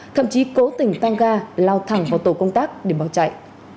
thậm chí cố tình tăng ga lao thẳng vào tổ công tác để bỏ chạy